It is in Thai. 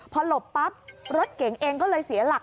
พอหลบปั๊บรถเก๋งเองก็เลยเสียหลัก